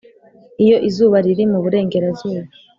'iyo izuba riri mu burengerazuba